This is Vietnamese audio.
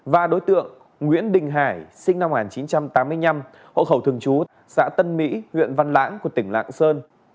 và đối tượng nguyễn đình hải sinh năm một nghìn chín trăm tám mươi năm hộ khẩu thường trú xã tân mỹ huyện văn lãng của tỉnh lạng sơn